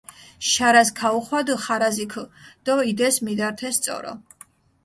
შარას ქაუხვადჷ ხარაზიქჷ დო იდეს, მიდართეს წორო.